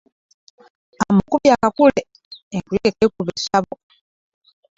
Amukubye akakule enkuyege kekuba essabo .